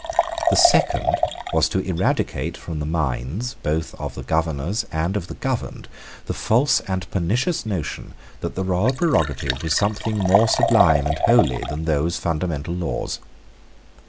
The second was to eradicate from the minds, both of the governors and of the governed, the false and pernicious notion that the royal prerogative was something more sublime and holy than those fundamental laws.